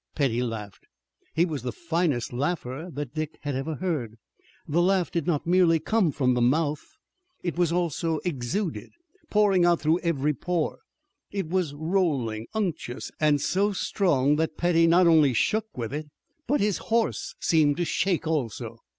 Petty laughed. He was the finest laugher that Dick had ever heard. The laugh did not merely come from the mouth, it was also exuded, pouring out through every pore. It was rolling, unctuous, and so strong that Petty not only shook with it, but his horse seemed to shake also.